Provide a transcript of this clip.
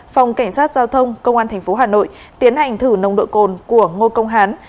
phòng cảnh sát giao thông công an thành phố hà nội tiến hành thử nồng độ cồn của ngô công hán